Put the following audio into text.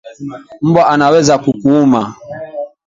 Mbwa anaweza kukuuma